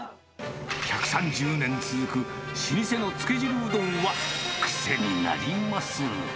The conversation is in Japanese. １３０年続く老舗のつけ汁うどんは、癖になります。